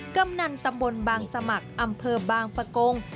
กำนันตะมนต์บางสมัครอำเภอบางภกง